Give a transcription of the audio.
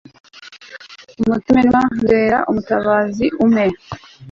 umutamenwa mbera umutabazi, umpe